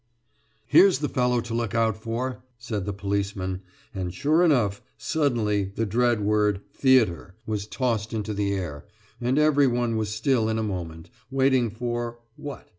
"Here's the fellow to look out for!" said the policemen; and, sure enough, suddenly the dread word "theatre" was tossed into the air, and every one was still in a moment, waiting for what?